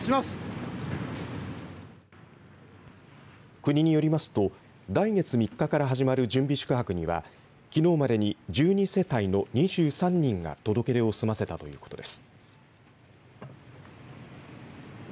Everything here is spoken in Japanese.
国によりますと来月３日から始まる準備宿泊にはきのうまでに１２世帯の２３人が届け出を済ませたということです。